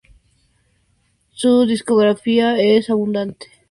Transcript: Su discografía es abundante.